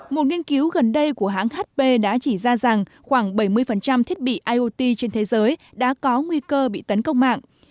một nghiên cứu gần đây của hãng hp đã chỉ ra rằng khoảng bảy mươi thiết bị iot trên thế giới đã có nguy cơ bị tấn công mạng